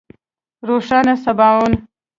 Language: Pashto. روښانه سباوون